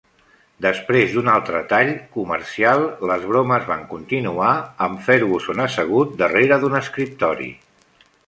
Després d'un altre tall comercial, les bromes van continuar amb Ferguson assegut darrere d'un escriptori.